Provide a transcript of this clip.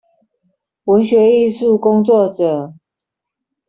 文學藝術工作者